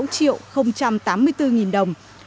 sáu triệu tám mươi bốn nghìn đồng